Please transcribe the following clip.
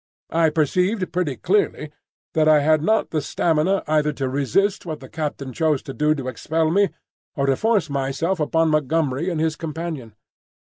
I perceived pretty clearly that I had not the stamina either to resist what the captain chose to do to expel me, or to force myself upon Montgomery and his companion.